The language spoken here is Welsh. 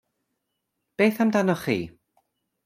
Beth amdanoch chi?